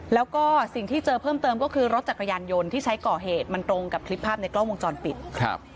แล้วก็สิ่งที่เจอเพิ่มเติมก็คือรถจักรยานยนต์ที่ใช้ก่อเหตุมันตรงกับคลิปภาพในกล้องวงจรปิดครับ